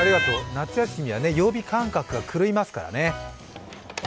夏休みは曜日感覚が狂いますからね。